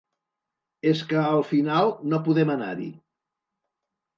Es que al final no podem anar-hi.